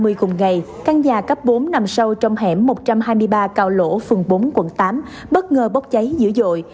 một ngày căn nhà cấp bốn nằm sâu trong hẻm một trăm hai mươi ba cao lỗ phường bốn quận tám bất ngờ bốc cháy dữ dội